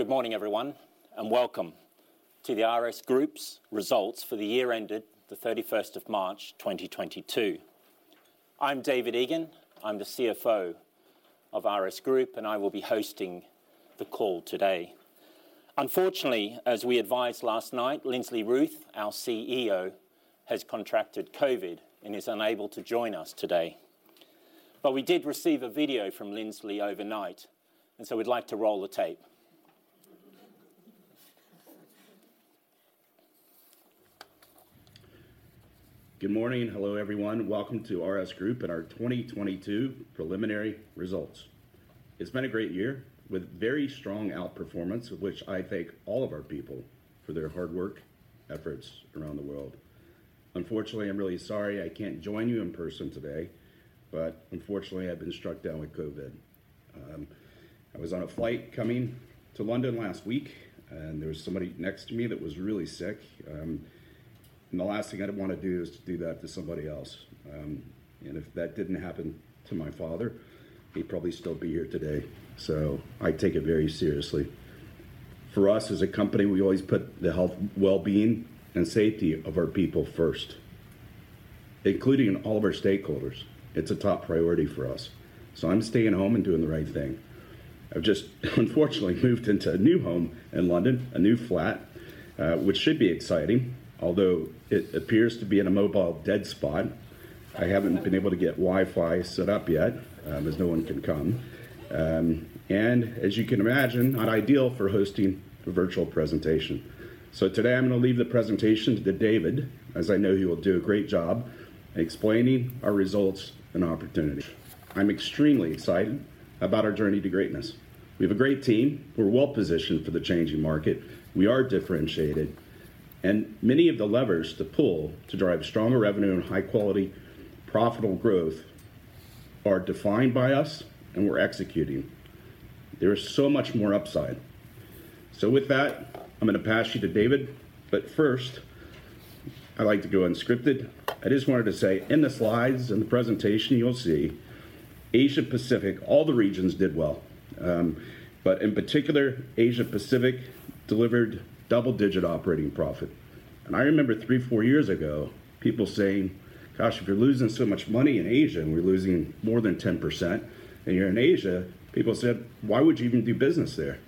Good morning, everyone, and welcome to the RS Group's results for the year ended the thirty-first of March 2022. I'm David Egan, I'm the CFO of RS Group, and I will be hosting the call today. Unfortunately, as we advised last night, Lindsley Ruth, our CEO, has contracted COVID and is unable to join us today. We did receive a video from Lindsley overnight, and so we'd like to roll the tape. Good morning. Hello, everyone. Welcome to RS Group and our 2022 preliminary results. It's been a great year with very strong outperformance, of which I thank all of our people for their hard work, efforts around the world. Unfortunately, I'm really sorry I can't join you in person today, but unfortunately, I've been struck down with COVID. I was on a flight coming to London last week, and there was somebody next to me that was really sick. The last thing I'd wanna do is to do that to somebody else. If that didn't happen to my father, he'd probably still be here today. I take it very seriously. For us as a company, we always put the health, well-being, and safety of our people first, including all of our stakeholders. It's a top priority for us. I'm staying home and doing the right thing. I've just, unfortunately, moved into a new home in London, a new flat, which should be exciting, although it appears to be in a mobile dead spot. I haven't been able to get Wi-Fi set up yet, as no one can come. As you can imagine, not ideal for hosting a virtual presentation. Today I'm gonna leave the presentation to David, as I know he will do a great job explaining our results and opportunities. I'm extremely excited about our journey to greatness. We have a great team. We're well-positioned for the changing market. We are differentiated, and many of the levers to pull to drive stronger revenue and high-quality, profitable growth are defined by us, and we're executing. There is so much more upside. With that, I'm gonna pass you to David. First, I like to go unscripted. I just wanted to say, in the slides, in the presentation, you'll see Asia-Pacific, all the regions did well. In particular, Asia-Pacific delivered double-digit operating profit. I remember three, four years ago, people saying, "Gosh, if you're losing so much money in Asia," and we're losing more than 10%, and you're in Asia, people said, "Why would you even do business there?"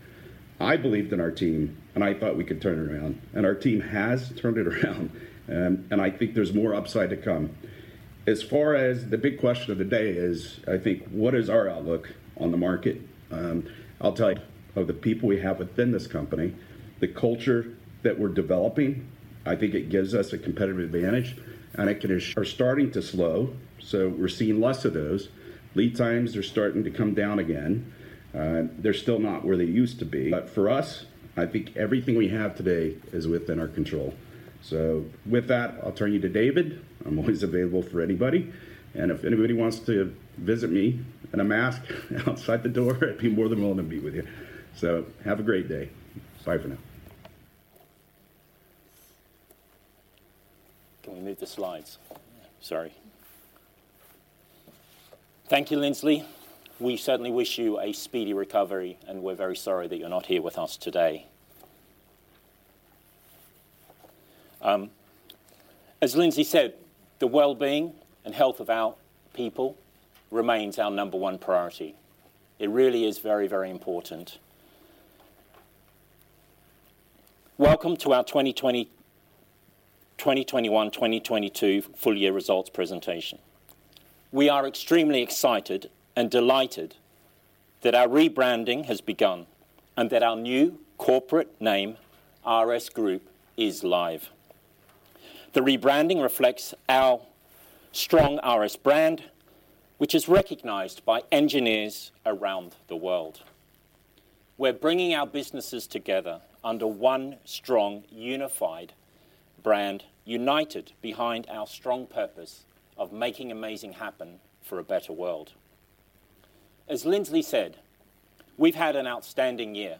I believed in our team, and I thought we could turn it around, and our team has turned it around. I think there's more upside to come. As far as the big question of the day is, I think, what is our outlook on the market? I'll tell you, of the people we have within this company, the culture that we're developing, I think it gives us a competitive advantage, and are starting to slow, so we're seeing less of those. Lead times are starting to come down again. They're still not where they used to be. For us, I think everything we have today is within our control. With that, I'll turn you to David. I'm always available for anybody. If anybody wants to visit me in a mask outside the door, I'd be more than willing to meet with you. Have a great day. Bye for now. Can we move the slides? Sorry. Thank you, Lindsley. We certainly wish you a speedy recovery, and we're very sorry that you're not here with us today. As Lindsley said, the well-being and health of our people remains our number one priority. It really is very, very important. Welcome to our 2021-2022 full year results presentation. We are extremely excited and delighted that our rebranding has begun, and that our new corporate name, RS Group, is live. The rebranding reflects our strong RS brand, which is recognized by engineers around the world. We're bringing our businesses together under one strong, unified brand, united behind our strong purpose of making amazing happen for a better world. As Lindsley said, we've had an outstanding year.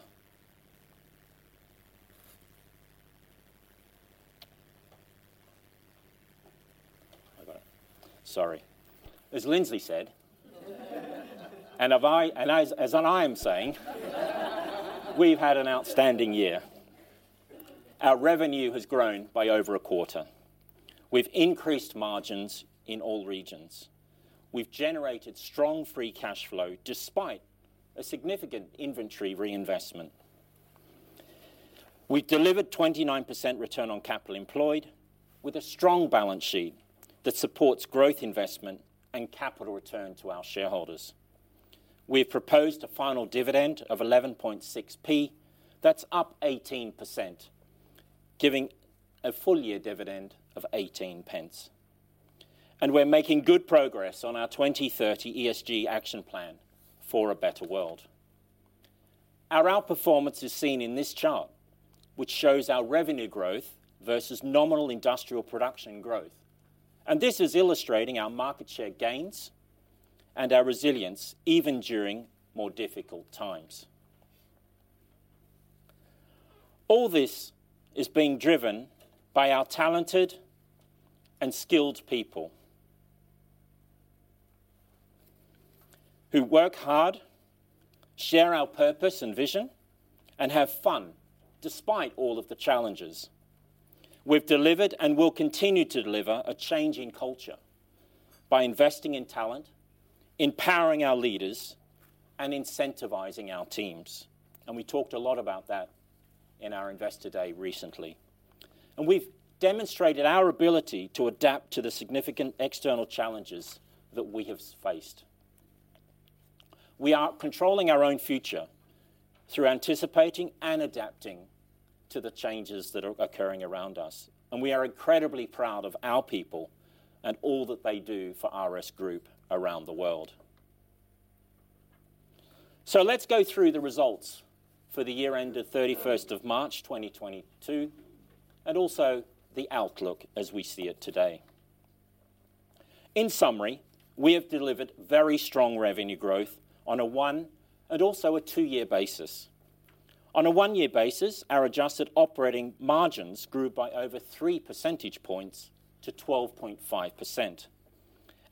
Sorry. As Lindsley said, we've had an outstanding year. Our revenue has grown by over a quarter. We've increased margins in all regions. We've generated strong free cash flow despite a significant inventory reinvestment. We delivered 29% return on capital employed with a strong balance sheet that supports growth investment, and capital return to our shareholders. We have proposed a final dividend of 11.6p. That's up 18%, giving a full-year dividend of 18 pence. We're making good progress on our 2030 ESG action plan for a better world. Our outperformance is seen in this chart, which shows our revenue growth versus nominal industrial production growth. This is illustrating our market share gains and our resilience even during more difficult times. All this is being driven by our talented and skilled people who work hard, share our purpose and vision, and have fun despite all of the challenges. We've delivered and will continue to deliver a change in culture by investing in talent, empowering our leaders, and incentivizing our teams. We talked a lot about that in our Investor Day recently. We've demonstrated our ability to adapt to the significant external challenges that we have faced. We are controlling our own future through anticipating and adapting to the changes that are occurring around us. We are incredibly proud of our people and all that they do for RS Group around the world. Let's go through the results for the year-end of March 31, 2022, and also the outlook as we see it today. In summary, we have delivered very strong revenue growth on a one- and two-year basis. On a one-year basis, our adjusted operating margins grew by over 3 percentage points to 12.5%.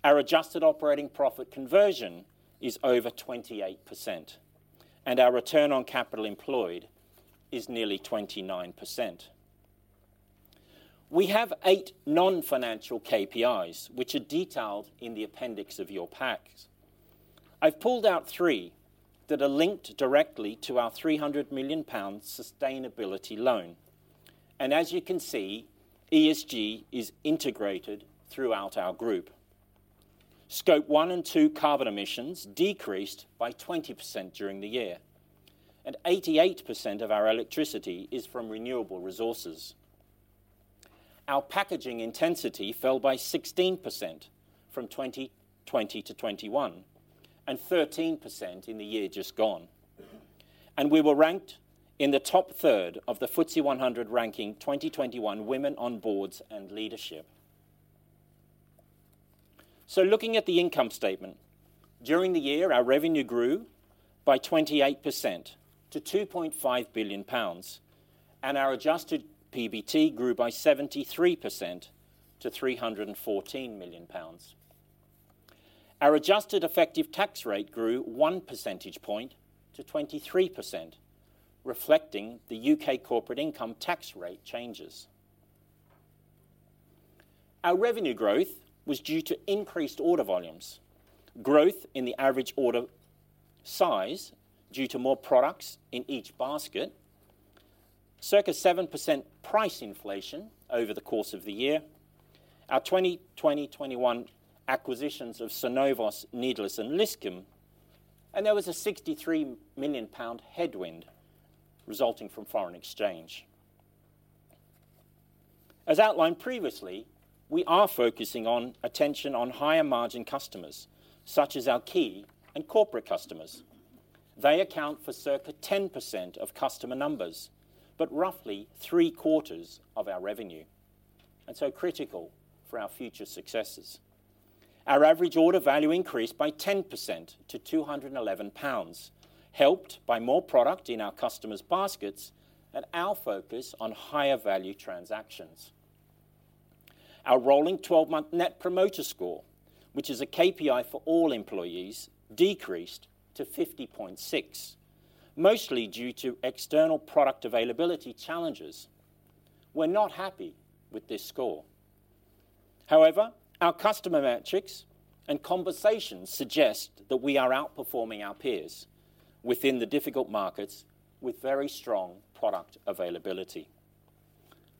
Our adjusted operating profit conversion is over 28%, and our return on capital employed is nearly 29%. We have eight non-financial KPIs, which are detailed in the appendix of your packs. I've pulled out three that are linked directly to our 300 million pounds sustainability loan. As you can see, ESG is integrated throughout our group. Scope one and two carbon emissions decreased by 20% during the year, and 88% of our electricity is from renewable resources. Our packaging intensity fell by 16% from 2020 to 2021, and 13% in the year just gone. We were ranked in the top third of the FTSE 100 ranking 2021 women on boards and leadership. Looking at the income statement, during the year, our revenue grew by 28% to 2.5 billion pounds, and our adjusted PBT grew by 73% to 314 million pounds. Our adjusted effective tax rate grew one percentage point to 23%, reflecting the UK corporate income tax rate changes. Our revenue growth was due to increased order volumes, growth in the average order size due to more products in each basket, circa 7% price inflation over the course of the year, our 2020-21 acquisitions of Synovos, Needlers, and Liscombe, and there was a 63 million pound headwind resulting from foreign exchange. As outlined previously, we are focusing our attention on higher margin customers, such as our key and corporate customers. They account for circa 10% of customer numbers, but roughly three-quarters of our revenue, and so critical for our future successes. Our average order value increased by 10% to 211 pounds, helped by more product in our customers' baskets and our focus on higher value transactions. Our rolling 12-month net promoter score, which is a KPI for all employees, decreased to 50.6, mostly due to external product availability challenges. We're not happy with this score. However, our customer metrics and conversations suggest that we are outperforming our peers within the difficult markets with very strong product availability.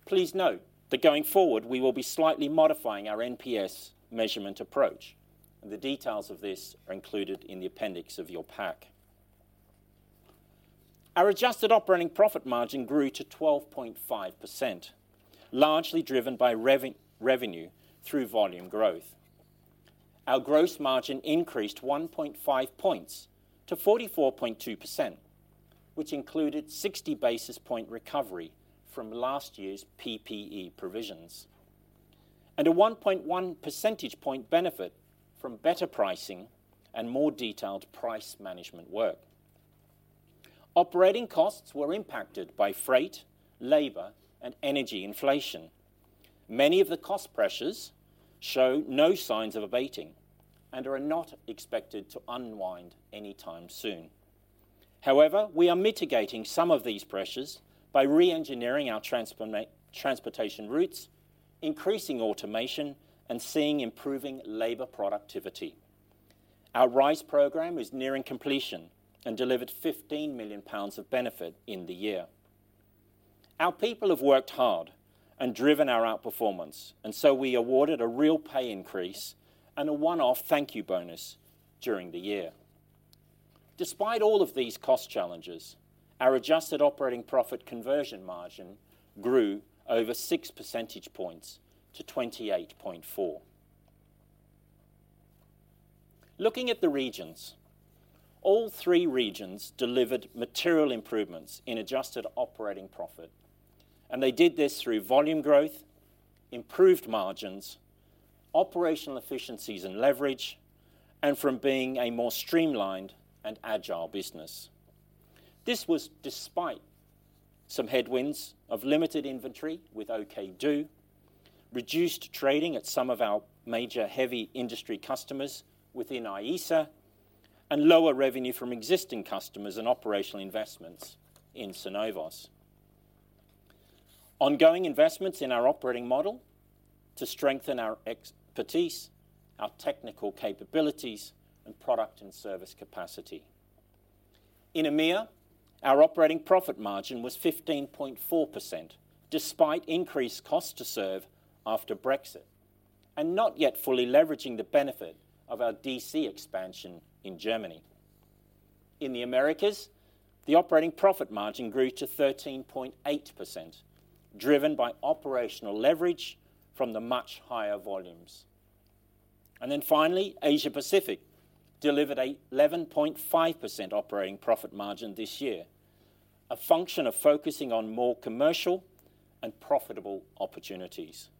Please note that going forward, we will be slightly modifying our NPS measurement approach. The details of this are included in the appendix of your pack. Our adjusted operating profit margin grew to 12.5%, largely driven by revenue through volume growth. Our gross margin increased 1.5 points to 44.2%, which included 60 basis point recovery from last year's PPE provisions, and a 1.1 percentage point benefit from better pricing and more detailed price management work. Operating costs were impacted by freight, labor, and energy inflation. Many of the cost pressures show no signs of abating and are not expected to unwind anytime soon. However, we are mitigating some of these pressures by re-engineering our transportation routes, increasing automation, and seeing improving labor productivity. Our RISE program is nearing completion and delivered 15 million pounds of benefit in the year. Our people have worked hard and driven our outperformance, and so we awarded a real pay increase and a one-off thank you bonus during the year. Despite all of these cost challenges, our adjusted operating profit conversion margin grew over 6 percentage points to 28.4%. Looking at the regions, all three regions delivered material improvements in adjusted operating profit, and they did this through volume growth, improved margins, operational efficiencies and leverage, and from being a more streamlined and agile business. This was despite some headwinds of limited inventory with OKdo, reduced trading at some of our major heavy industry customers within IESA, and lower revenue from existing customers and operational investments in Synovos. Ongoing investments in our operating model to strengthen our expertise, our technical capabilities, and product and service capacity. In EMEA, our operating profit margin was 15.4% despite increased cost to serve after Brexit, and not yet fully leveraging the benefit of our DC expansion in Germany. In the Americas, the operating profit margin grew to 13.8%, driven by operational leverage from the much higher volumes. Finally, Asia-Pacific delivered 11.5% operating profit margin this year, a function of focusing on more commercial and profitable opportunities.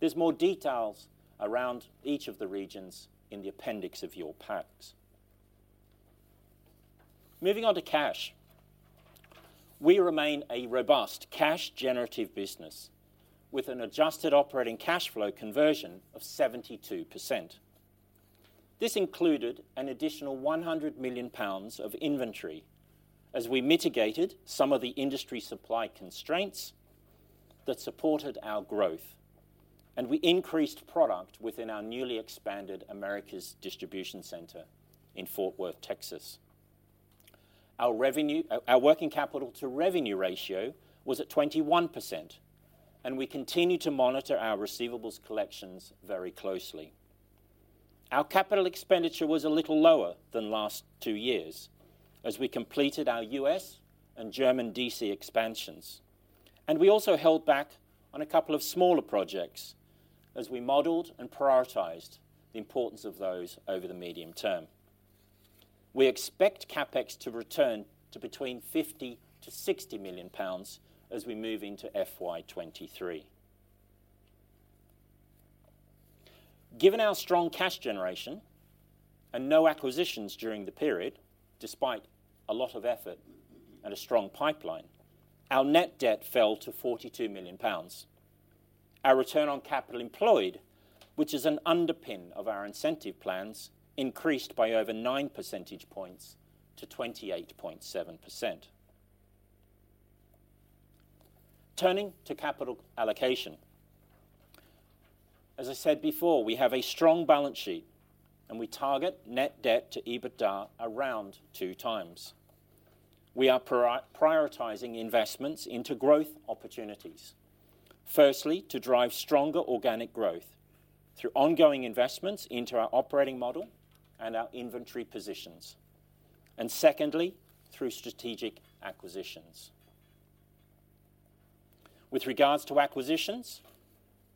There's more details around each of the regions in the appendix of your packs. Moving on to cash. We remain a robust cash generative business with an adjusted operating cash flow conversion of 72%. This included an additional 100 million pounds of inventory as we mitigated some of the industry supply constraints that supported our growth, and we increased product within our newly expanded Americas Distribution Center in Fort Worth, Texas. Our working capital to revenue ratio was at 21%, and we continue to monitor our receivables collections very closely. Our capital expenditure was a little lower than last two years as we completed our US and German DC expansions. We also held back on a couple of smaller projects as we modeled and prioritized the importance of those over the medium term. We expect CapEx to return to between 50-60 million pounds as we move into FY2023. Given our strong cash generation and no acquisitions during the period, despite a lot of effort and a strong pipeline, our net debt fell to 42 million pounds. Our return on capital employed, which is an underpin of our incentive plans, increased by over 9 percentage points to 28.7%. Turning to capital allocation. As I said before, we have a strong balance sheet, and we target net debt to EBITDA around 2x. We are prioritizing investments into growth opportunities, firstly, to drive stronger organic growth through ongoing investments into our operating model and our inventory positions, and secondly, through strategic acquisitions. With regards to acquisitions,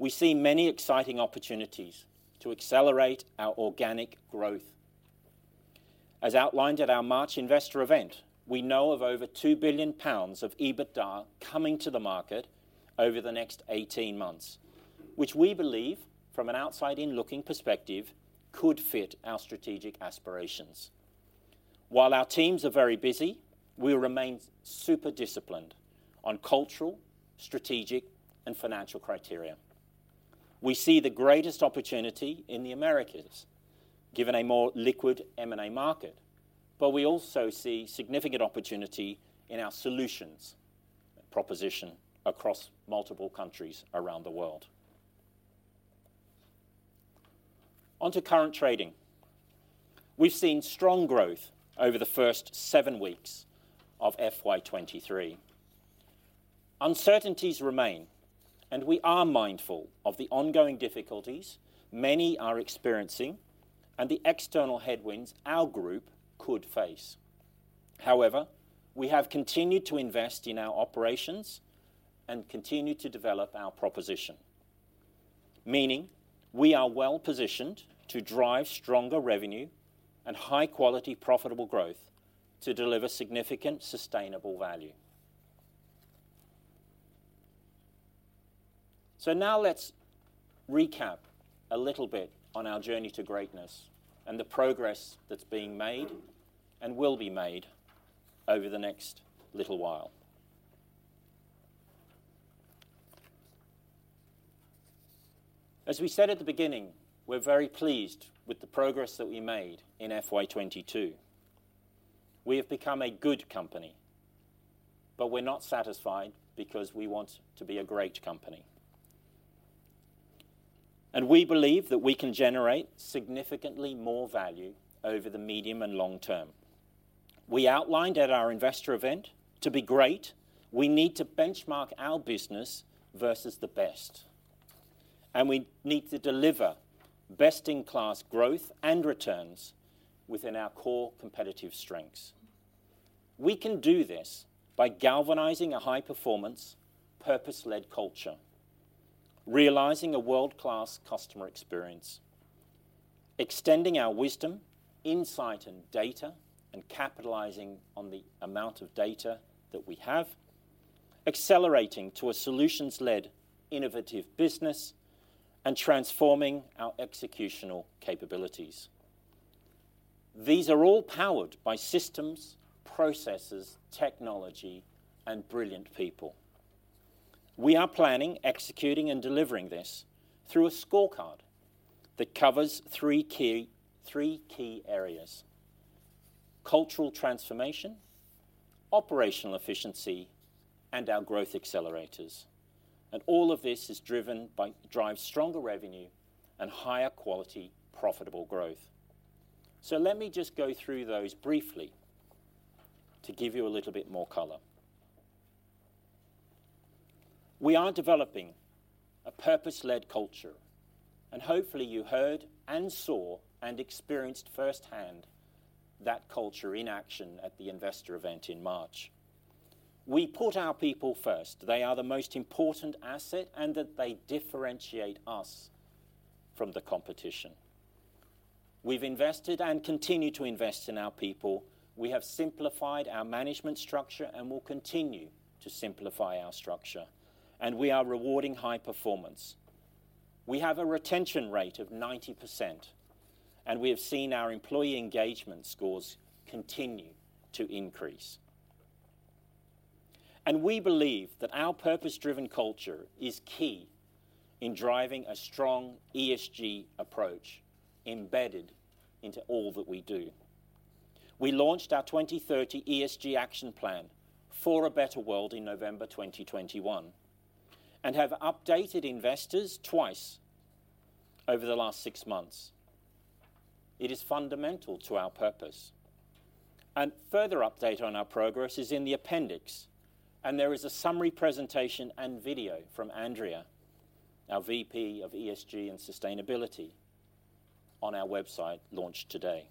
we see many exciting opportunities to accelerate our organic growth. As outlined at our March investor event, we know of over 2 billion pounds of EBITDA coming to the market over the next 18 months, which we believe, from an outside-in looking perspective, could fit our strategic aspirations. While our teams are very busy, we remain super disciplined on cultural, strategic, and financial criteria. We see the greatest opportunity in the Americas, given a more liquid M&A market, but we also see significant opportunity in our solutions proposition across multiple countries around the world. Onto current trading. We've seen strong growth over the first seven weeks of FY2023. Uncertainties remain, and we are mindful of the ongoing difficulties many are experiencing and the external headwinds our group could face. However, we have continued to invest in our operations and continue to develop our proposition, meaning we are well-positioned to drive stronger revenue and high-quality, profitable growth to deliver significant sustainable value. Now let's recap a little bit on our journey to greatness and the progress that's being made and will be made over the next little while. As we said at the beginning, we're very pleased with the progress that we made in FY2022. We have become a good company, but we're not satisfied because we want to be a great company. We believe that we can generate significantly more value over the medium and long term. We outlined at our investor event to be great, we need to benchmark our business versus the best, and we need to deliver best-in-class growth and returns within our core competitive strengths. We can do this by galvanizing a high-performance, purpose-led culture, realizing a world-class customer experience, extending our wisdom, insight, and data, and capitalizing on the amount of data that we have. Accelerating to a solutions-led, innovative business and transforming our executional capabilities. These are all powered by systems, processes, technology, and brilliant people. We are planning, executing, and delivering this through a scorecard that covers three key areas: cultural transformation, operational efficiency, and our growth accelerators. All of this drives stronger revenue and higher quality, profitable growth. Let me just go through those briefly to give you a little bit more color. We are developing a purpose-led culture, and hopefully you heard and saw and experienced firsthand that culture in action at the investor event in March. We put our people first. They are the most important asset, and that they differentiate us from the competition. We've invested and continue to invest in our people. We have simplified our management structure and will continue to simplify our structure, and we are rewarding high performance. We have a retention rate of 90%, and we have seen our employee engagement scores continue to increase. We believe that our purpose-driven culture is key in driving a strong ESG approach embedded into all that we do. We launched our 2030 ESG action plan for a better world in November 2021, and have updated investors twice over the last six months. It is fundamental to our purpose. Further update on our progress is in the appendix, and there is a summary presentation and video from Andrea, our VP of ESG and Sustainability, on our website launched today.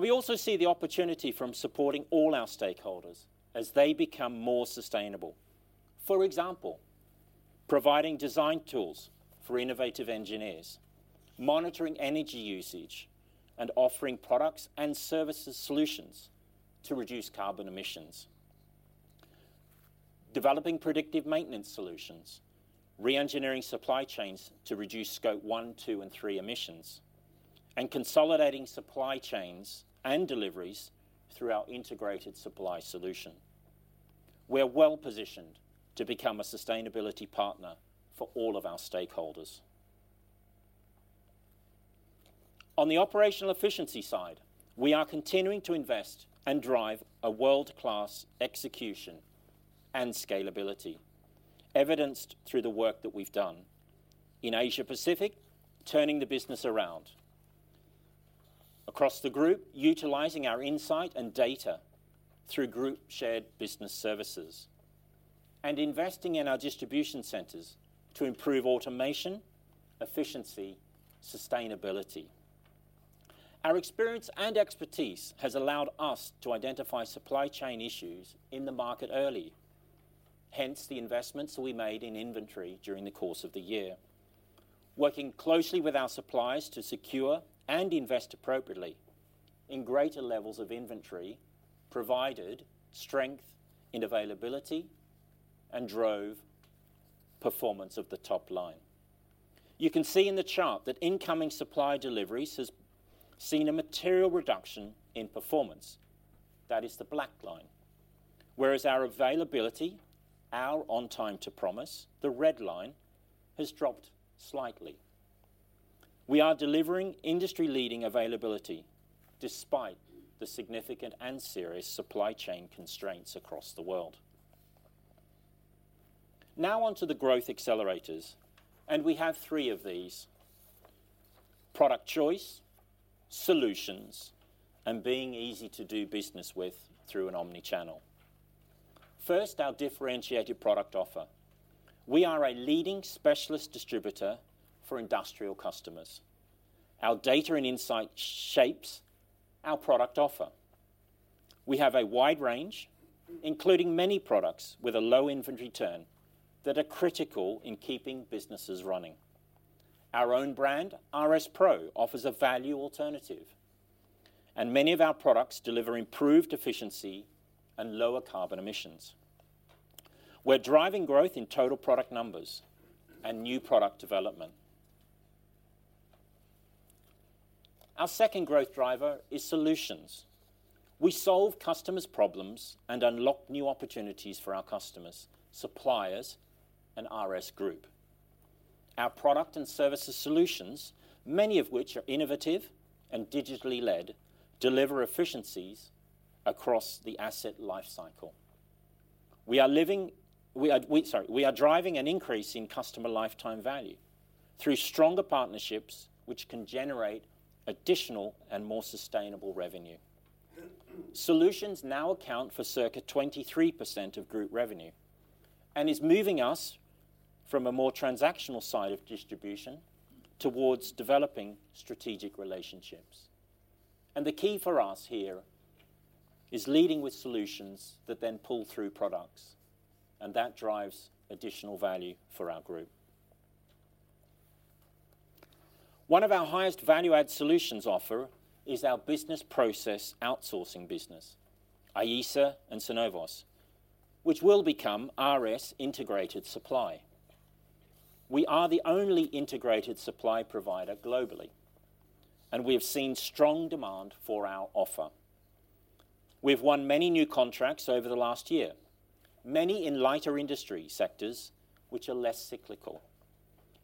We also see the opportunity to support all our stakeholders as they become more sustainable. For example, providing design tools for innovative engineers, monitoring energy usage, and offering products and service who, solutions to reduce carbon emissions. Developing predictive maintenance solutions, re-engineering supply chains to reduce scope 1, 2, and 3 emissions, and consolidating supply chains and deliveries through our integrated supply solution. We're well-positioned to become a sustainability partner for all of our stakeholders. On the operational efficiency side, we are continuing to invest and drive a world-class execution and scalability, evidenced through the work that we've done in Asia Pacific, turning the business around. Across the group, utilizing our insight and data through group shared business services, and investing in our distribution centers to improve automation, efficiency, sustainability. Our experience and expertise has allowed us to identify supply chain issues in the market early, hence the investments we made in inventory during the course of the year. Working closely with our suppliers to secure and invest appropriately in greater levels of inventory provided strength and availability and drove performance of the top line. You can see in the chart that incoming supply deliveries has seen a material reduction in performance. That is the black line. Whereas our availability, our on time to promise, the red line, has dropped slightly. We are delivering industry-leading availability despite the significant and serious supply chain constraints across the world. Now on to the growth accelerators, and we have three of these: product choice, solutions, and being easy to do business with through an omni-channel. First, our differentiated product offer. We are a leading specialist distributor for industrial customers. Our data and insight shapes our product offer. We have a wide range, including many products with a low inventory turn that are critical in keeping businesses running. Our own brand, RS PRO, offers a value alternative, and many of our products deliver improved efficiency and lower carbon emissions. We're driving growth in total product numbers and new product development. Our second growth driver is solutions. We solve customers' problems and unlock new opportunities for our customers, suppliers, and RS Group. Our product and services solutions, many of which are innovative and digitally led, deliver efficiencies across the asset life cycle. We are driving an increase in customer lifetime value through stronger partnerships which can generate additional and more sustainable revenue. Solutions now account for circa 23% of group revenue and is moving us from a more transactional side of distribution towards developing strategic relationships. The key for us here is leading with solutions that then pull through products and that drives additional value for our group. One of our highest value add solutions offer is our business process outsourcing business, IESA and Synovos, which will become RS Integrated Supply. We are the only integrated supply provider globally, and we have seen strong demand for our offer. We've won many new contracts over the last year, many in light industry sectors which are less cyclical,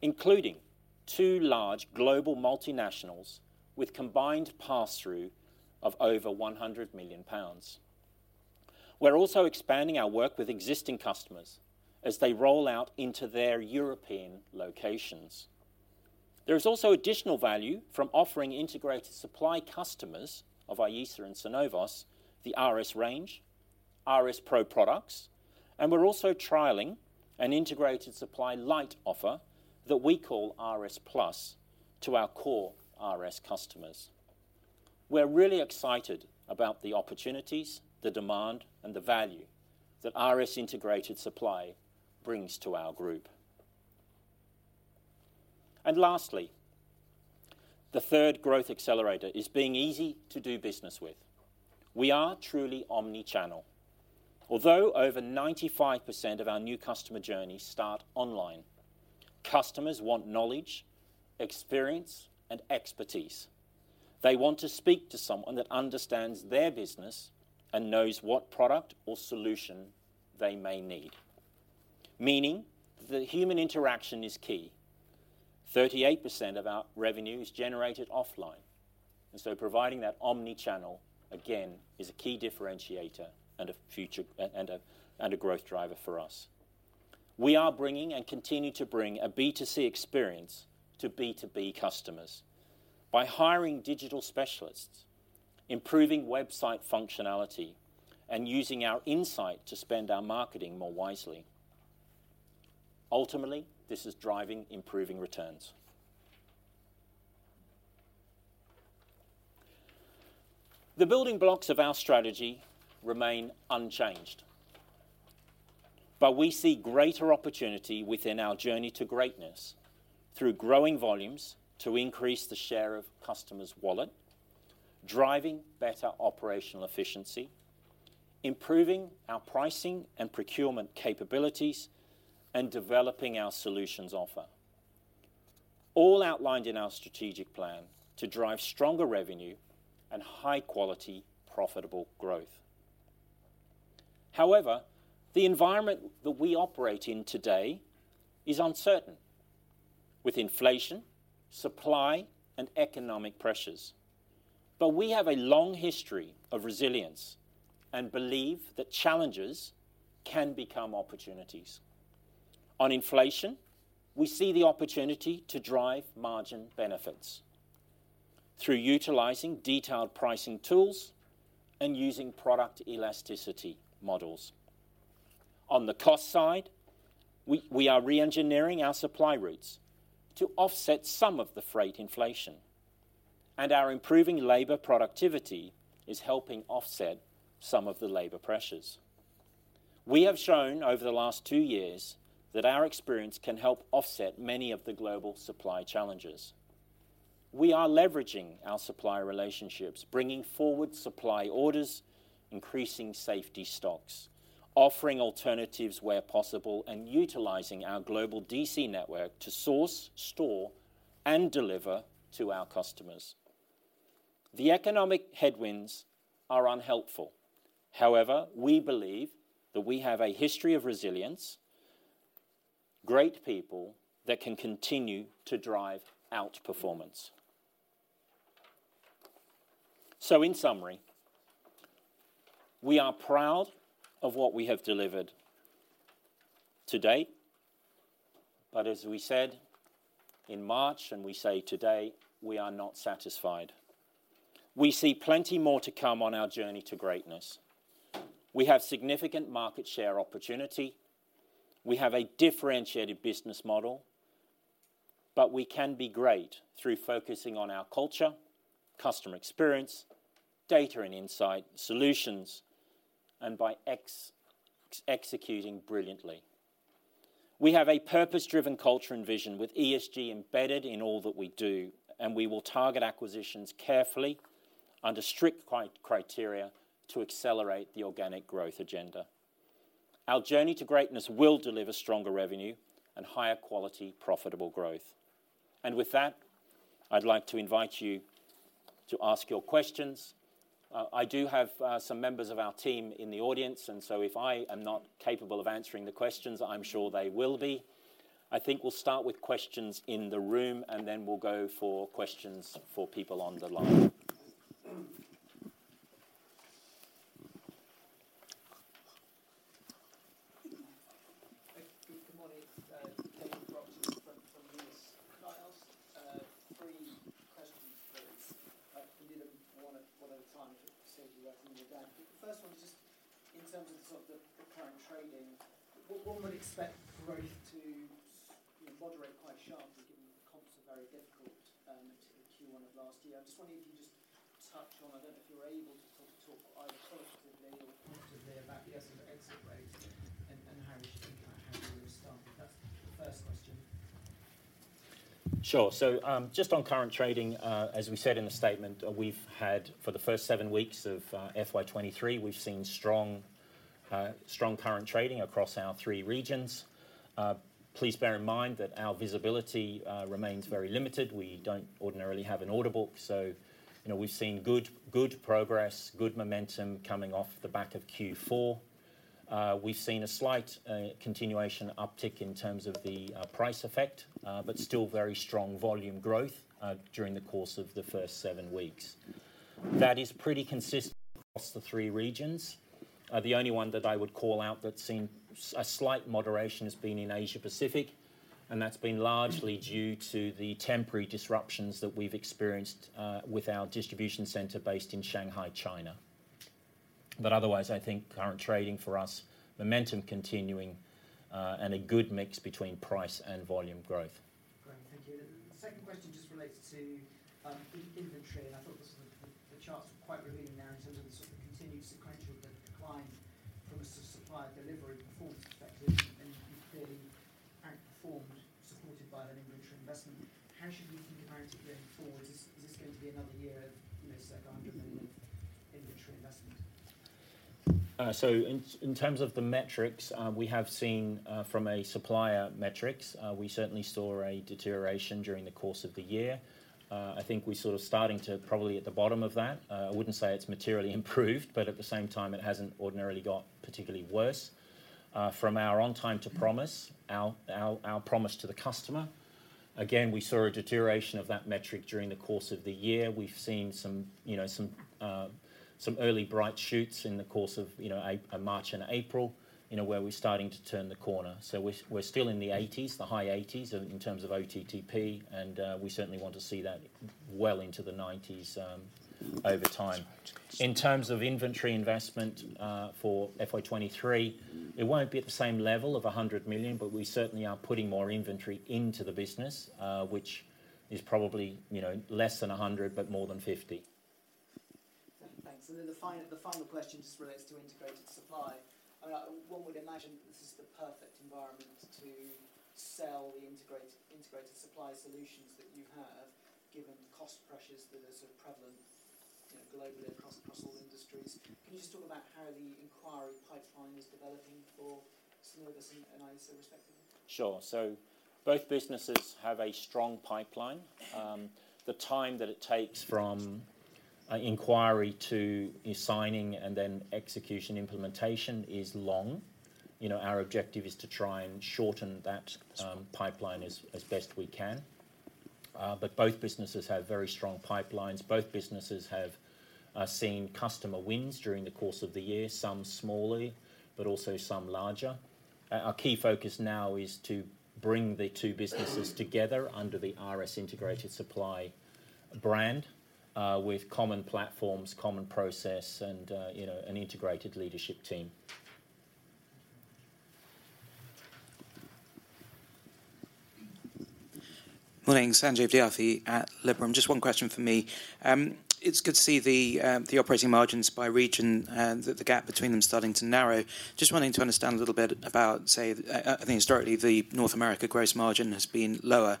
including two large global multinationals with combined pass-through of over 100 million pounds. We're also expanding our work with existing customers as they roll out into their European locations. There is also additional value from offering integrated supply customers of IESA and Synovos, the RS range, RS PRO products, and we're also trialing an integrated supply light offer that we call RS Plus to our core RS customers. We're really excited about the opportunities, the demand, and the value that RS Integrated Supply brings to our group. Lastly, the third growth accelerator is being easy to do business with. We are truly omni-channel. Although over 95% of our new customer journeys start online, customers want knowledge, experience and expertise. They want to speak to someone that understands their business and knows what product or solution they may need, meaning the human interaction is key. 38% of our revenue is generated offline, and so providing that omni-channel, again, is a key differentiator and a growth driver for us. We are bringing and continue to bring a B2C experience to B2B customers by hiring digital specialists, improving website functionality, and using our insight to spend our marketing more wisely. Ultimately, this is driving improving returns. The building blocks of our strategy remain unchanged, but we see greater opportunity within our journey to greatness through growing volumes to increase the share of customers' wallet, driving better operational efficiency, improving our pricing and procurement capabilities, and developing our solutions offer, all outlined in our strategic plan to drive stronger revenue and high quality, profitable growth. However, the environment that we operate in today is uncertain with inflation, supply, and economic pressures. We have a long history of resilience and believe that challenges can become opportunities. On inflation, we see the opportunity to drive margin benefits through utilizing detailed pricing tools and using product elasticity models. On the cost side, we are reengineering our supply routes to offset some of the freight inflation, and our improving labor productivity is helping offset some of the labor pressures. We have shown over the last two years that our experience can help offset many of the global supply challenges. We are leveraging our supplier relationships, bringing forward supply orders, increasing safety stocks, offering alternatives where possible, and utilizing our global DC network to source, store, and deliver to our customers. The economic headwinds are unhelpful. However, we believe that we have a history of resilience, great people that can continue to drive out performance. In summary, we are proud of what we have delivered to date. As we said in March and we say today, we are not satisfied. We see plenty more to come on our journey to greatness. We have significant market share opportunity. We have a differentiated business model, but we can be great through focusing on our culture, customer experience, data and insight, solutions, and by executing brilliantly. We have a purpose-driven culture and vision with ESG embedded in all that we do, and we will target acquisitions carefully under strict criteria to accelerate the organic growth agenda. Our journey to greatness will deliver stronger revenue and higher quality, profitable growth. With that, I'd like to invite you to ask your questions. I do have some members of our team in the audience, and so if I am not capable of answering the questions, I'm sure they will be. I think we'll start with questions in the room, and then we'll go for questions for people on the line. Good morning, Nathan Sherwood from Numis. Can I ask three questions, please? Maybe one at a time if it suits you guys when you're done. The first one is just in terms of the sort of the current trading. One would expect growth to, you know, moderate quite sharply given that the comps are very difficult last year. I'm just wondering if you just touch on, I don't know if you're able to sort of talk either qualitatively or quantitatively about, I guess, sort of exit rates and how we should think about how you would have started. That's the first question. Sure. Just on current trading, as we said in the statement, we've had for the first seven weeks of FY2023, we've seen strong current trading across our three regions. Please bear in mind that our visibility remains very limited. We don't ordinarily have an order book, so you know, we've seen good progress, good momentum coming off the back of Q4. We've seen a slight continuation uptick in terms of the price effect, but still very strong volume growth during the course of the first seven weeks. That is pretty consistent across the three regions. The only one that I would call out that's seen a slight moderation has been in Asia-Pacific, and that's been largely due to the temporary disruptions that we've experienced with our distribution center based in Shanghai, China. Otherwise, I think current trading for us, momentum continuing, and a good mix between price and volume growth. Great. Thank you. The second question just relates to inventory, and I thought the charts were quite revealing there in terms of the sort of continued sequential decline from a supplier delivery performance perspective, and clearly outperformed, supported by that inventory investment. How should we think about it going forward? Is this going to be another year of, say, GBP 100 million of inventory investment? In terms of the metrics, we have seen from supplier metrics we certainly saw a deterioration during the course of the year. I think we're sort of starting to probably at the bottom of that. I wouldn't say it's materially improved, but at the same time, it hasn't ordinarily got particularly worse. From our on time to promise, our promise to the customer, again, we saw a deterioration of that metric during the course of the year. We've seen some, you know, some early green shoots in the course of, you know, March and April, you know, where we're starting to turn the corner. We're still in the 80s, the high 80s in terms of OTTP, and we certainly want to see that well into the 90s over time. In terms of inventory investment, for FY2023, it won't be at the same level of 100 million, but we certainly are putting more inventory into the business, which is probably, you know, less than 100, but more than 50. Thanks. The final question just relates to integrated supply. I mean, one would imagine that this is the perfect environment to sell the integrated supply solutions that you have, given the cost pressures that are sort of prevalent, you know, globally across all industries. Can you just talk about how the inquiry pipeline is developing for Synovos and IESA respectively? Sure. Both businesses have a strong pipeline. The time that it takes from an inquiry to e-signing and then execution implementation is long. You know, our objective is to try and shorten that pipeline as best we can. But both businesses have very strong pipelines. Both businesses have seen customer wins during the course of the year, some smaller, but also some larger. Our key focus now is to bring the two businesses together under the RS Integrated Supply brand with common platforms, common process and, you know, an integrated leadership team. Morning. Sanjay Jha at Liberum. Just one question from me. It's good to see the operating margins by region, and the gap between them is starting to narrow. Just wanting to understand a little bit about, say, I think historically, the North American gross margin has been lower.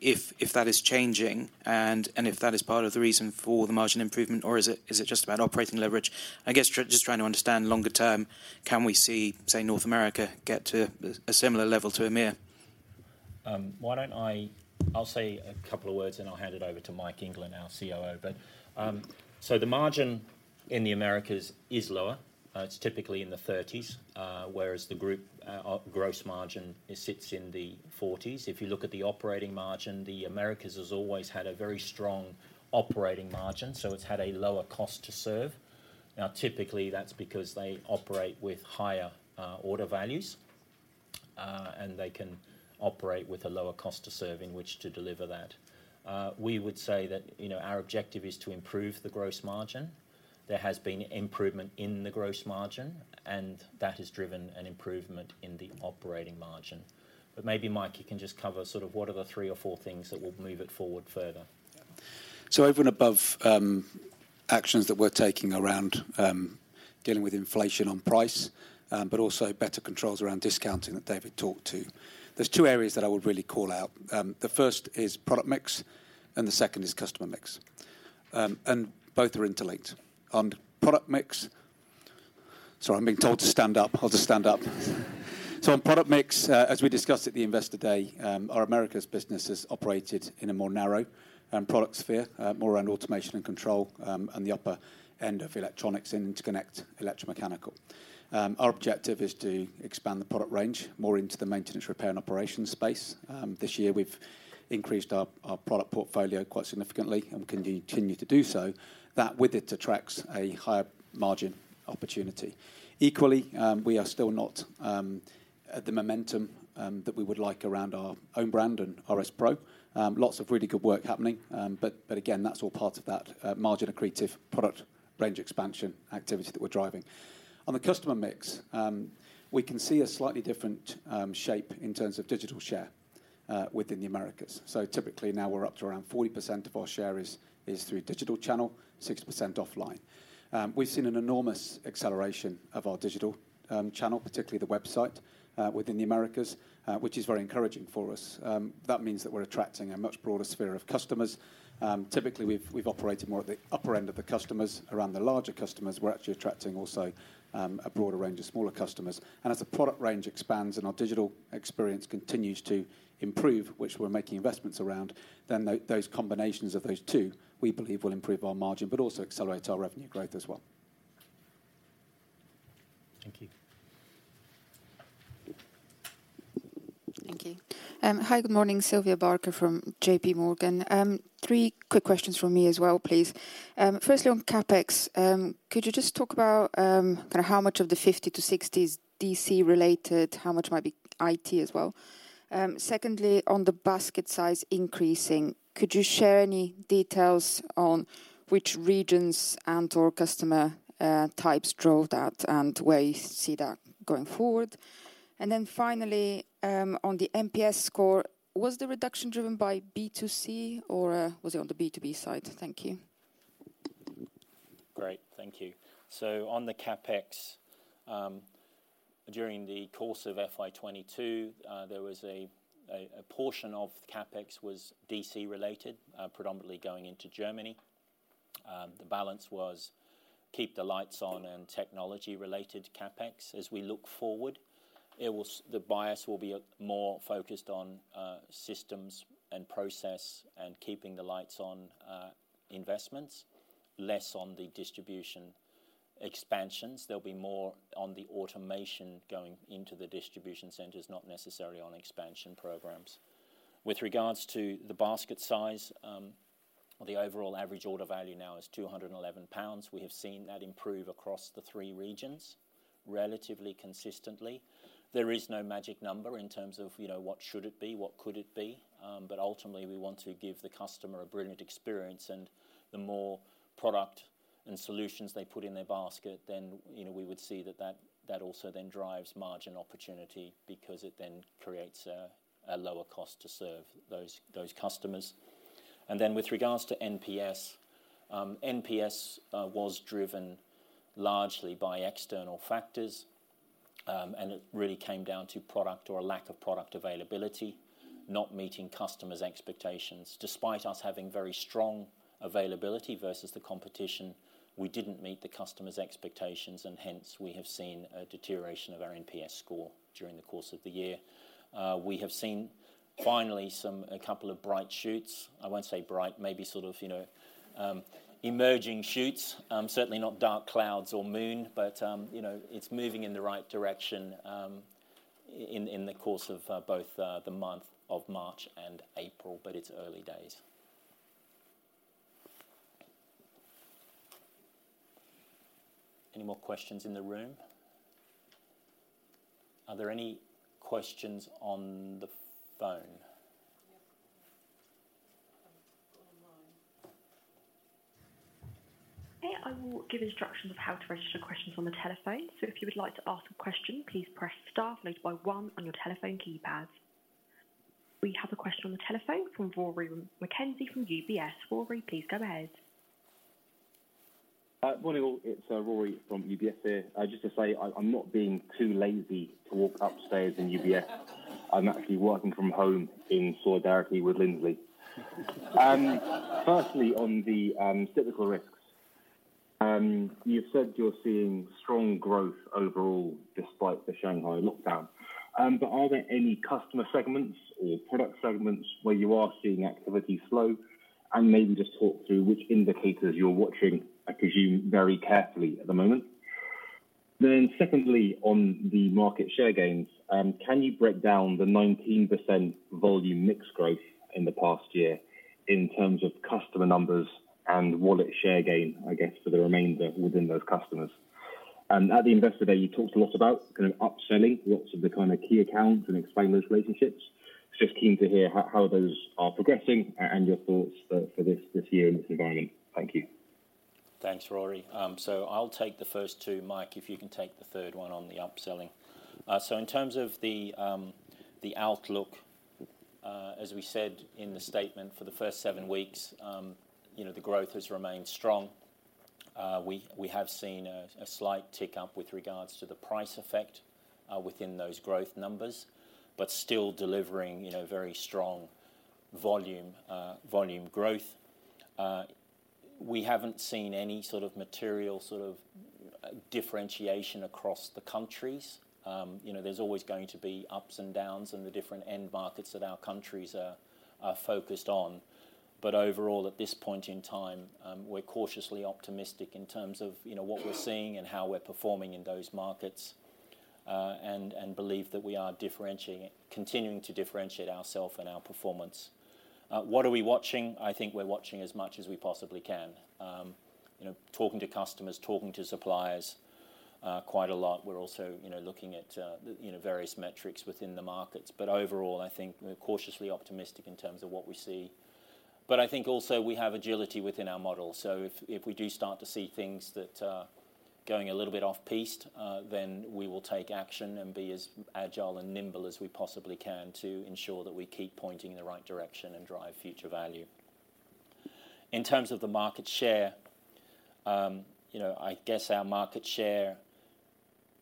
If that is changing and if that is part of the reason for the margin improvement, or is it just about operating leverage? I guess just trying to understand longer term, can we see, say, North America get to a similar level to EMEA? I'll say a couple of words, and I'll hand it over to Mike England, our COO. The margin in the Americas is lower. It's typically in the 30s%, whereas the group gross margin sits in the 40s%. If you look at the operating margin, the Americas has always had a very strong operating margin, so it's had a lower cost to serve. Now, typically, that's because they operate with higher order values, and they can operate with a lower cost to serve in which to deliver that. We would say that, you know, our objective is to improve the gross margin. There has been improvement in the gross margin, and that has driven an improvement in the operating margin. Maybe, Mike, you can just cover sort of what are the three or four things that will move it forward further. Over and above, actions that we're taking around dealing with inflation on price, but also better controls around discounting that David talked to, there's two areas that I would really call out. The first is product mix, and the second is customer mix. Both are interlinked. On product mix, sorry, I'm being told to stand up. I'll just stand up. On product mix, as we discussed at the Investor Day, our Americas business is operated in a more narrow product sphere, more around automation and control, and the upper end of electronics and interconnect electromechanical. Our objective is to expand the product range more into the maintenance, repair, and operations space. This year, we've increased our product portfolio quite significantly and continue to do so. That with it attracts a higher margin opportunity. Equally, we are still not at the momentum that we would like around our own brand and RS PRO. Lots of really good work happening, but again, that's all part of that margin accretive product range expansion activity that we're driving. On the customer mix, we can see a slightly different shape in terms of digital share. Within the Americas. Typically now we're up to around 40% of our share is through digital channel, 60% offline. We've seen an enormous acceleration of our digital channel, particularly the website, within the Americas, which is very encouraging for us. That means that we're attracting a much broader sphere of customers. Typically, we've operated more at the upper end of the customers. Around the larger customers, we're actually attracting also a broader range of smaller customers. As the product range expands and our digital experience continues to improve, which we're making investments around, then those combinations of those two, we believe, will improve our margin, but also accelerates our revenue growth as well. Thank you. Thank you. Hi, good morning. Sylvia Barker from JP Morgan. Three quick questions from me as well, please. Firstly, on CapEx, could you just talk about kinda how much of the 50-60 is DC related, how much might be IT as well? Secondly, on the basket size increasing, could you share any details on which regions and/or customer types drove that and where you see that going forward? Finally, on the NPS score, was the reduction driven by B2C or was it on the B2B side? Thank you. Great. Thank you. On the CapEx, during the course of FY2022, there was a portion of CapEx was DC related, predominantly going into Germany. The balance was keep the lights on and technology-related CapEx. As we look forward, the bias will be more focused on systems and process and keeping the lights on investments, less on the distribution expansions. There'll be more on the automation going into the distribution centers, not necessarily on expansion programs. With regards to the basket size, the overall average order value now is 211 pounds. We have seen that improve across the three regions relatively consistently. There is no magic number in terms of, you know, what should it be, what could it be, but ultimately, we want to give the customer a brilliant experience, and the more product and solutions they put in their basket, then, you know, we would see that also then drives margin opportunity because it then creates a lower cost to serve those customers. With regards to NPS was driven largely by external factors, and it really came down to product or a lack of product availability, not meeting customers' expectations. Despite us having very strong availability versus the competition, we didn't meet the customers' expectations, and hence, we have seen a deterioration of our NPS score during the course of the year. We have seen finally a couple of bright spots. I won't say bright, maybe sort of, you know, emerging shoots. Certainly not dark clouds or doom, but, you know, it's moving in the right direction, in the course of both the month of March and April, it's early days. Any more questions in the room? Are there any questions on the phone? Okay. I will give instructions of how to register questions on the telephone. If you would like to ask a question, please press star followed by one on your telephone keypad. We have a question on the telephone from Rory McKenzie from UBS. Rory, please go ahead. Morning, all. It's Rory from UBS here. Just to say, I'm not being too lazy to walk upstairs in UBS. I'm actually working from home in solidarity with Lindsley. Firstly, on the cyclical risks, you've said you're seeing strong growth overall despite the Shanghai lockdown. Are there any customer segments or product segments where you are seeing activity slow? Maybe just talk through which indicators you're watching, I presume, very carefully at the moment. Secondly, on the market share gains, can you break down the 19% volume mix growth in the past year in terms of customer numbers and wallet share gain, I guess, for the remainder within those customers? At the Investor Day, you talked a lot about kind of upselling lots of the, kind of, key accounts and explain those relationships. Just keen to hear how those are progressing and your thoughts for this year in this environment. Thank you. Thanks, Rory. I'll take the first two. Mike, if you can take the third one on the upselling. In terms of the outlook, as we said in the statement for the first seven weeks, you know, the growth has remained strong. We have seen a slight tick up with regards to the price effect within those growth numbers, but still delivering, you know, very strong volume growth. We haven't seen any sort of material differentiation across the countries. You know, there's always going to be ups and downs in the different end markets that our countries are focused on. Overall, at this point in time, we're cautiously optimistic in terms of, you know, what we're seeing and how we're performing in those markets, and believe that we are differentiating, continuing to differentiate ourself and our performance. What are we watching? I think we're watching as much as we possibly can. You know, talking to customers, talking to suppliers, quite a lot. We're also, you know, looking at, you know, various metrics within the markets. Overall, I think we're cautiously optimistic in terms of what we see. I think also we have agility within our model. If we do start to see things that are going a little bit off-piste, then we will take action and be as agile and nimble as we possibly can to ensure that we keep pointing in the right direction and drive future value. In terms of the market share, you know, I guess our market share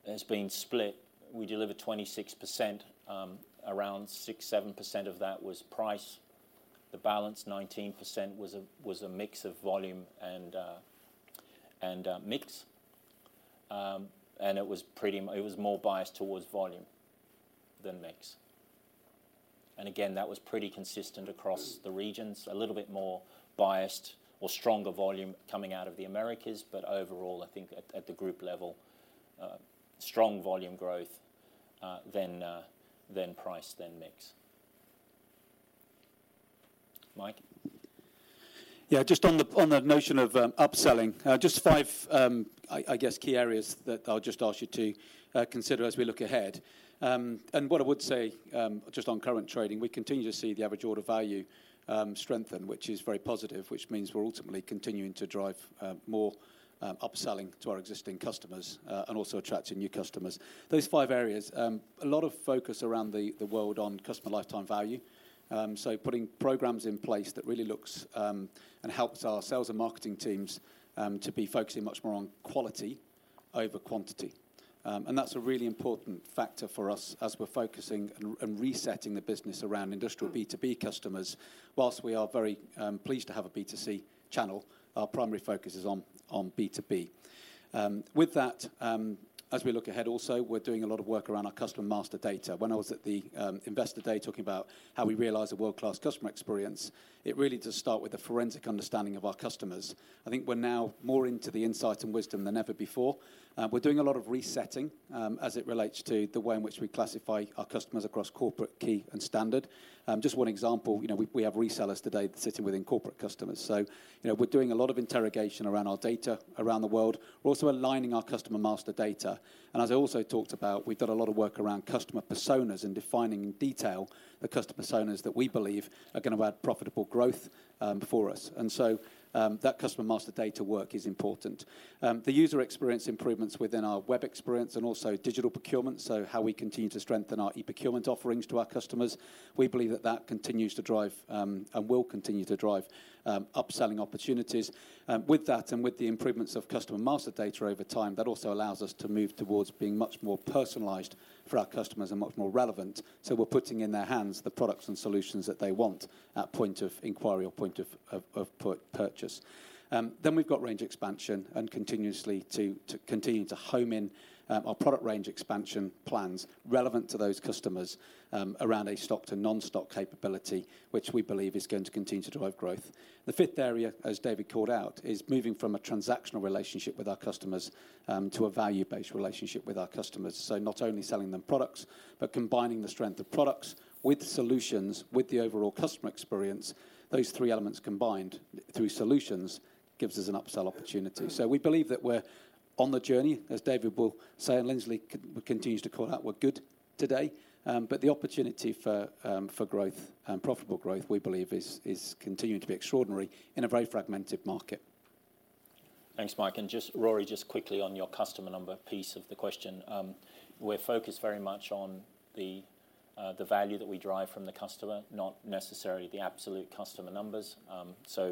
has been split. We delivered 26%, around 6-7% of that was price. The balance, 19%, was a mix of volume and mix. It was more biased towards volume than mix. Again, that was pretty consistent across the regions. A little bit more biased or stronger volume coming out of the Americas, but overall, I think at the group level, strong volume growth than price than mix. Mike? Yeah. Just on the notion of upselling, just five key areas that I'll just ask you to consider as we look ahead. What I would say, just on current trading, we continue to see the average order value strengthen, which is very positive, which means we're ultimately continuing to drive more upselling to our existing customers and also attracting new customers. Those five areas, a lot of focus around the world on customer lifetime value. Putting programs in place that really looks and helps our sales and marketing teams to be focusing much more on quality over quantity. That's a really important factor for us as we're focusing and resetting the business around industrial B2B customers. While we are very pleased to have a B2C channel, our primary focus is on B2B. With that, as we look ahead also, we're doing a lot of work around our customer master data. When I was at the investor day talking about how we realize a world-class customer experience, it really does start with the forensic understanding of our customers. I think we're now more into the insight and wisdom than ever before. We're doing a lot of resetting as it relates to the way in which we classify our customers across corporate, key, and standard. Just one example, you know, we have resellers today sitting within corporate customers. You know, we're doing a lot of interrogation around our data around the world. We're also aligning our customer master data. As I also talked about, we've done a lot of work around customer personas and defining in detail the customer personas that we believe are gonna add profitable growth, for us. That customer master data work is important. The user experience improvements within our web experience and also digital procurement, so how we continue to strengthen our e-procurement offerings to our customers, we believe that that continues to drive, and will continue to drive, upselling opportunities. With that and with the improvements of customer master data over time, that also allows us to move towards being much more personalized for our customers and much more relevant, so we're putting in their hands the products and solutions that they want at point of inquiry or point of purchase. We've got range expansion and continuously to continue to home in our product range expansion plans relevant to those customers around a stocked and non-stocked capability, which we believe is going to continue to drive growth. The fifth area, as David called out, is moving from a transactional relationship with our customers to a value-based relationship with our customers. Not only selling them products, but combining the strength of products with solutions, with the overall customer experience. Those three elements combined through solutions gives us an upsell opportunity. We believe that we're on the journey, as David will say, and Lindsley continues to call out, we're good today. The opportunity for growth and profitable growth, we believe is continuing to be extraordinary in a very fragmented market. Thanks, Mike. Just, Rory, just quickly on your customer number piece of the question. We're focused very much on the value that we drive from the customer, not necessarily the absolute customer numbers.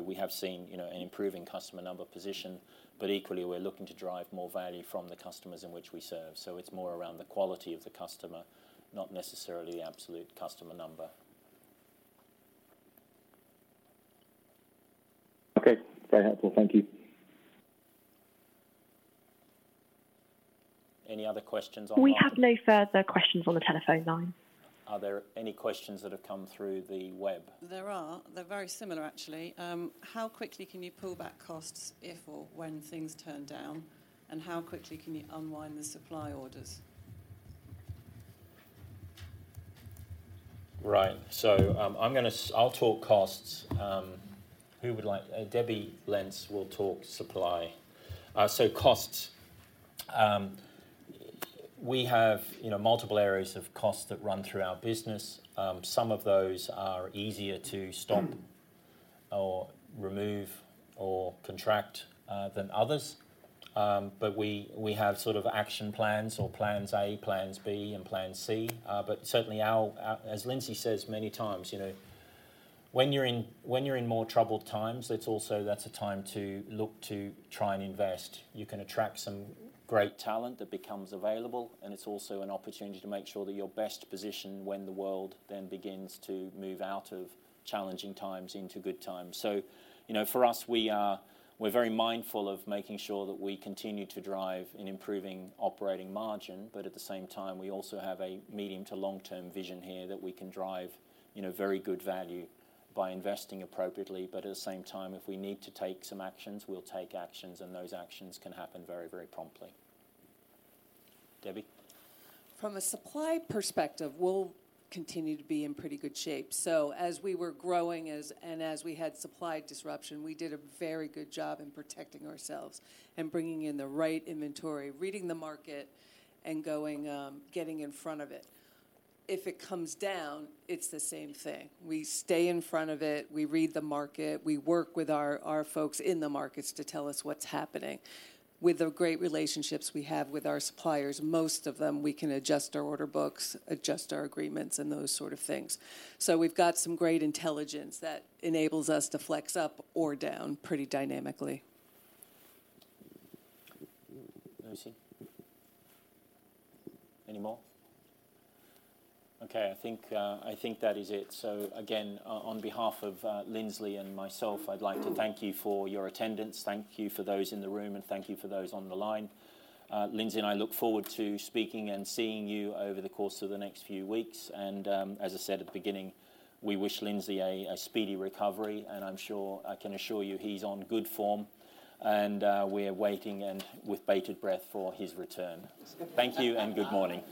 We have seen, you know, an improving customer number position, but equally, we're looking to drive more value from the customers in which we serve. It's more around the quality of the customer, not necessarily absolute customer number. Okay. Very helpful. Thank you. Any other questions on the line? We have no further questions on the telephone line. Are there any questions that have come through the web? There are. They're very similar, actually. How quickly can you pull back costs if or when things turn down? How quickly can you unwind the supply orders? Right. I'll talk costs. Who would like. Debbie Lentz will talk supply. Costs. We have, you know, multiple areas of costs that run through our business. Some of those are easier to stop or remove or contract than others. We have sort of action plans or plans A, plans B, and plans C. Certainly our, as Lindsley says many times, you know, when you're in more troubled times, it's also that's a time to look to try and invest. You can attract some great talent that becomes available, and it's also an opportunity to make sure that you're best positioned when the world then begins to move out of challenging times into good times. You know, for us, we're very mindful of making sure that we continue to drive an improving operating margin, but at the same time, we also have a medium to long-term vision here that we can drive, you know, very good value by investing appropriately. At the same time, if we need to take some actions, we'll take actions, and those actions can happen very, very promptly. Debbie? From a supply perspective, we'll continue to be in pretty good shape. As we were growing, and as we had supply disruption, we did a very good job in protecting ourselves and bringing in the right inventory, reading the market and going, getting in front of it. If it comes down, it's the same thing. We stay in front of it. We read the market. We work with our folks in the markets to tell us what's happening. With the great relationships we have with our suppliers, most of them, we can adjust our order books, adjust our agreements, and those sort of things. We've got some great intelligence that enables us to flex up or down pretty dynamically. Lucy? Any more? Okay, I think that is it. So again, on behalf of Lindsley and myself, I'd like to thank you for your attendance. Thank you for those in the room, and thank you for those on the line. Lindsley and I look forward to speaking and seeing you over the course of the next few weeks. As I said at the beginning, we wish Lindsley a speedy recovery, and I'm sure I can assure you he's on good form, and we're waiting with bated breath for his return. Thank you, and good morning.